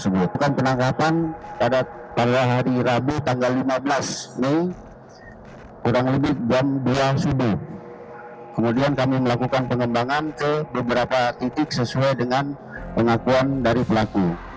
beberapa titik sesuai dengan pengakuan dari pelaku